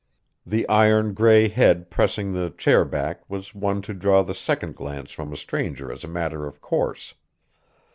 The iron gray head pressing the chair back was one to draw the second glance from a stranger as a matter of course.